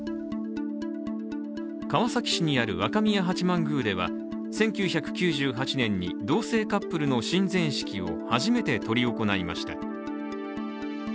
川崎市にある若宮八幡宮では、１９９８年に同性カップルの神前式を初めて執り行いました。